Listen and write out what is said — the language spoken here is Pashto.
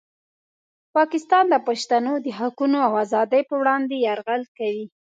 پاکستان د پښتنو د حقونو او ازادۍ په وړاندې یرغل کوي.